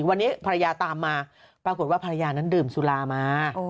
วันนี้ภรรยาตามมาปรากฏว่าภรรยานั้นดื่มสุรามา